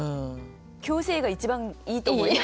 「嬌声」が一番いいと思います。